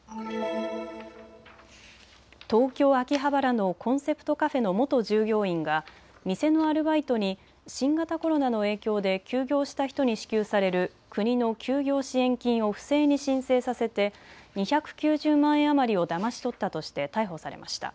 東京秋葉原のコンセプトカフェの元従業員が店のアルバイトに新型コロナの影響で休業した人に支給される国の休業支援金を不正に申請させて２９０万円余りをだまし取ったとして逮捕されました。